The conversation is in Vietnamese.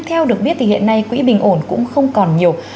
theo được biết thì hiện nay quỹ bình ổn cũng không còn nhiều